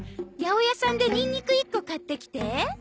八百屋さんでにんにく１個買ってきて。